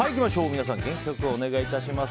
皆さん、元気良くお願いします。